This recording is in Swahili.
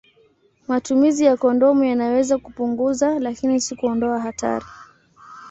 Matumizi ya kondomu yanaweza kupunguza, lakini si kuondoa hatari.